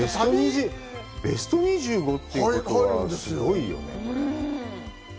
ベスト２５ということは、すごいよね。